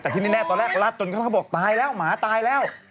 แต่ที่แน่ตอนแรกรัดจนเขาบอกตายแล้วหมาตายแล้ว